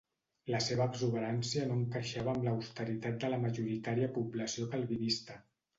La seva exuberància no encaixava amb l'austeritat de la majoritària població calvinista.